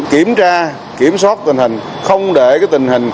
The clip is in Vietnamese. kiểm tra kiểm soát tình hình